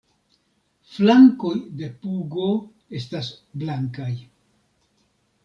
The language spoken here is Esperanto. Flankoj de pugo estas blankaj.